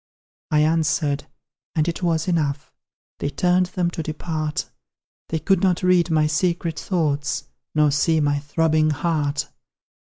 I answered and it was enough; They turned them to depart; They could not read my secret thoughts, Nor see my throbbing heart.